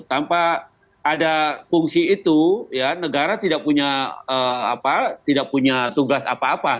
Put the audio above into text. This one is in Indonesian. tanpa ada fungsi itu ya negara tidak punya apa tidak punya tugas apa apa